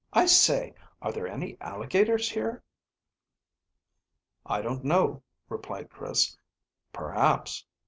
I say, are there any alligators here?" "I don't know," replied Chris. "Perhaps.